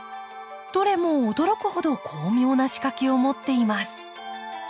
どれも驚くほど巧妙な仕掛けを持っています。